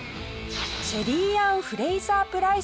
シェリーアン・フレーザープライス選手